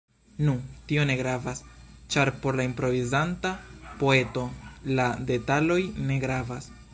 Nu, tio ne gravas, ĉar por la improvizanta poeto la detaloj ne gravas.